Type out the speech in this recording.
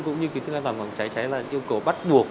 cũng như kỹ thức an toàn bằng cháy cháy là yêu cầu bắt buộc